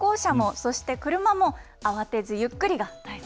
そして車も慌てずゆっくりが大切